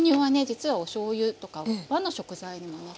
実はおしょうゆとか和の食材にもね